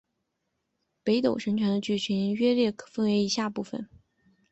北斗神拳的剧情约略可分为以下部分。